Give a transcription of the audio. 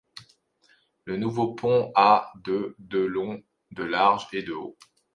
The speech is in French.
Le nouveau pont a de de long, de large et de haut.